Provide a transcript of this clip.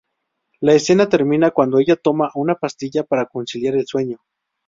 La escena termina cuando ella toma una pastilla para conciliar el sueño.